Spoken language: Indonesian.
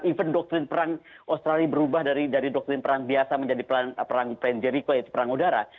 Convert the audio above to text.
even doktrin perang australia berubah dari doktrin perang biasa menjadi perang fran jeriko yaitu perang udara